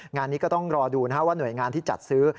งานนี้ก็ต้องรอดูว่าหน่วยงานที่จัดซื้อ